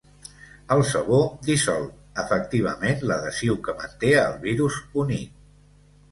El sabó ‘dissol’ efectivament l’adhesiu que manté el virus unit.